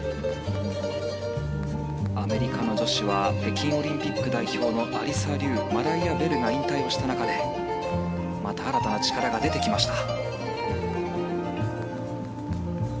アメリカの女子は北京オリンピック代表のベルなどが引退した中でまた新たな力が出てきました。